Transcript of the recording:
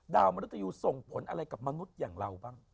มนุษยูส่งผลอะไรกับมนุษย์อย่างเราบ้าง